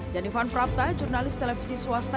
janifan prapta jurnalis televisi swasta